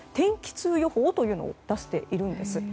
痛予報というのを出しているんです。